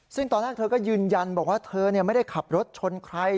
ซึ่งตอนแรกเธอก็ยืนยันบอกว่าเธอไม่ได้ขับรถชนใคร